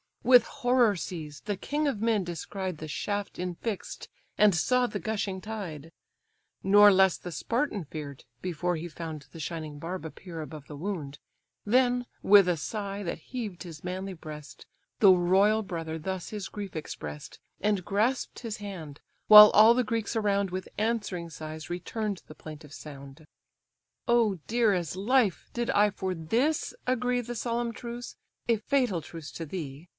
With horror seized, the king of men descried The shaft infix'd, and saw the gushing tide: Nor less the Spartan fear'd, before he found The shining barb appear above the wound, Then, with a sigh, that heaved his manly breast, The royal brother thus his grief express'd, And grasp'd his hand; while all the Greeks around With answering sighs return'd the plaintive sound. "Oh, dear as life! did I for this agree The solemn truce, a fatal truce to thee!